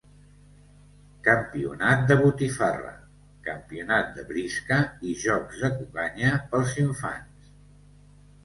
Campionat de botifarra, campionat de brisca i jocs de cucanya pels infants.